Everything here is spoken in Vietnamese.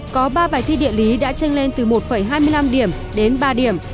có ba bài thi địa lý đã tranh lên từ một hai mươi năm điểm đến ba điểm